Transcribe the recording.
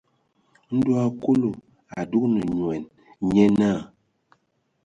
Ndo hm Kúlu a dúgan nyoan, nyé náa.